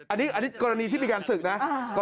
อันนี้กรณีที่มีการศึกนะ